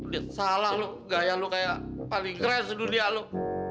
lihat salah lo gaya lo kayak paling keren di dunia lo